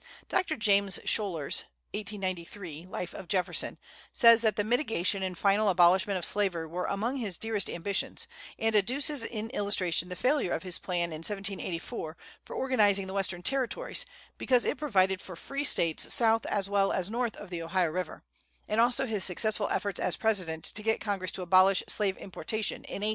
Dr. James Schouler's (1893) "Life of Jefferson" says that the mitigation and final abolishment of slavery were among his dearest ambitions, and adduces in illustration the failure of his plan in 1784 for organizing the Western territories because it provided for free States south as well as north of the Ohio River, and also his successful efforts as President to get Congress to abolish slave importation in 1806 7.